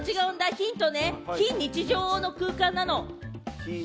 ヒント、非日常の空間なの。